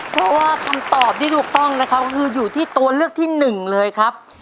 เพราะว่าคำตอบที่ถูกต้องคืออยู่ที่ตัวเลือกที่๑เลยครับ